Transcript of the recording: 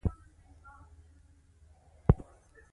پرمختیایي ژبارواپوهنه د ژبې په زده کړه کې د کوچني پر وړتیا غږېږي